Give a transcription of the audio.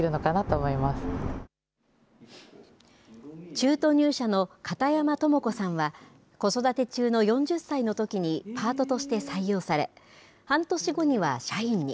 中途入社の片山友子さんは、子育て中の４０歳のときにパートとして採用され、半年後には社員に。